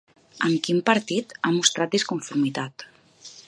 Amb quin partit ha mostrat disconformitat?